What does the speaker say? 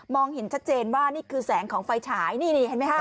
เห็นชัดเจนว่านี่คือแสงของไฟฉายนี่นี่เห็นไหมฮะ